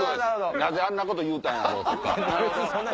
なぜあんなこと言うたんやろう？とか。